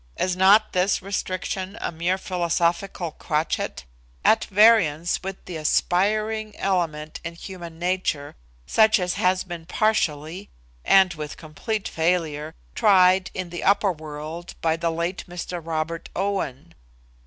Is not this restriction a mere philosophical crotchet, at variance with the aspiring element in human nature, such as has been partially, and with complete failure, tried in the upper world by the late Mr. Robert Owen?